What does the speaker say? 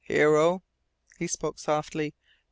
"Hero," he spoke softly.